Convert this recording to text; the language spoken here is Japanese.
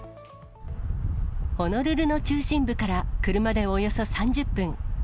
ホノルルの中心部から車でおよそ３０分。